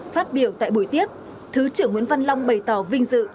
phát biểu tại buổi tiếp thứ trưởng nguyễn văn long bày tỏ vinh dự